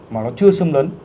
mà nó chưa xâm lấy